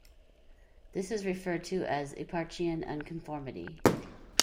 This is referred to as Eparchaean Unconformity.